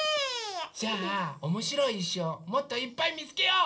じゃあおもしろいいしをもっといっぱいみつけよう！